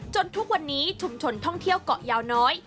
ทุกวันนี้ชุมชนท่องเที่ยวเกาะยาวน้อย